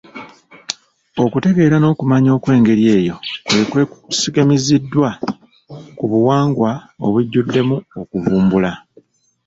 Okutegeera n’okumanya okw’engeri eyo kwe kwesigamiziddwa ku buwangwa obujjuddemu okuvumbula